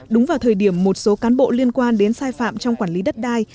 đúng vào thời điểm một số cán bộ liên quan đến sai phạm trong quản lý đất đai